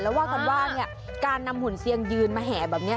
แล้วว่ากันว่าการนำหุ่นเซียงยืนมาแห่แบบนี้